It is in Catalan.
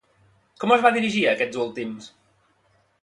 Com es va dirigir a aquests últims?